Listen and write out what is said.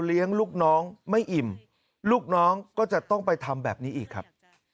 ลูกน้องไม่อิ่มลูกน้องก็จะต้องไปทำแบบนี้อีกครับ